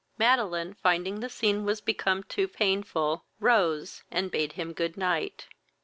Madeline, finding the scene was become too painful, rose, and bade him god night.